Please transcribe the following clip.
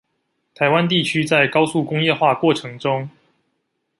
台灣地區在高速工業化過裎中